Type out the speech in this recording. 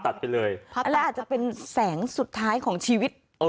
ตัดไปเลยอันแหละอาจจะเป็นแสงสุดท้ายของชีวิตเออ